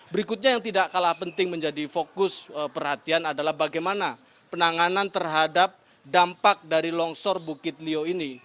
berikutnya yang tidak kalah penting menjadi fokus perhatian adalah bagaimana penanganan terhadap dampak dari longsor bukit lio ini